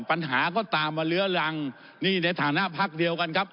ปัญหาก็ตามมาเลื้อรังนี่ในฐานะพักเดียวกันครับ